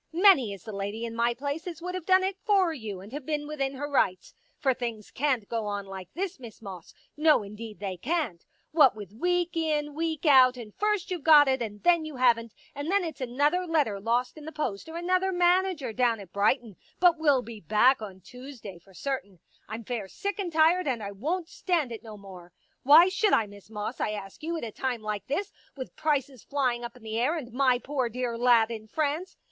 Many is the lady in my place as would have done it for you and have been within her rights. For things can't go on like this. Miss Moss, no indeed they can't. What with week in week out and first you've got it and then you haven't, and then it's another letter lost in the post or another manager down at Brighton but will be back on Tuesday for certain — I'm fair sick and tired and I won't stand it no more. Why should I, Miss Moss, I ask you, at a time like this, with prices flying up in the air and my poor dear lad in France